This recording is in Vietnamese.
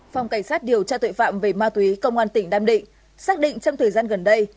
phòng cảnh sát điều tra tội phạm về ma túy công an tỉnh nam định xác định trong thời gian gần đây